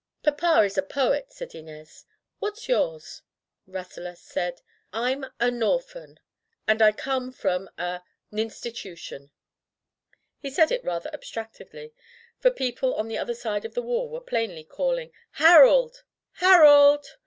"Papa is a poet," said Inez. "What's yours?*' Rasselas said: "Fm a norphan, and I come from a ninstitution.'* He said it rather abstractedly, for people on the other side of the wall were plainly calling: "Harold! Harold!'